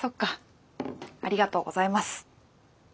ありがとうございます。